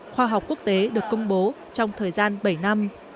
khoa học quốc tế được công bố trong thời gian bảy năm